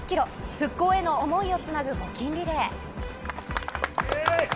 復興への想いをつなぐ募金リレー。